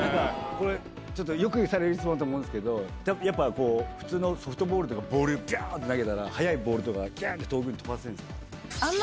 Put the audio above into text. これ、ちょっと、よくされる質問だと思うんですけど、やっぱ普通のソフトボールとか、ボール、ぽーんって投げたら、速いボールとか、ぎゅーんって遠くに飛ばせるんですか？